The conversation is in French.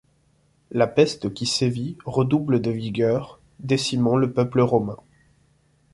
La peste qui sévit redouble de vigueur, décimant le peuple romain.